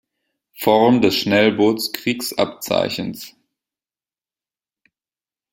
Form des Schnellboots-Kriegsabzeichens.